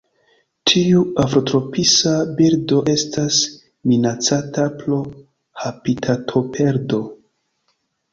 Tiu afrotropisa birdo estas minacata pro habitatoperdo.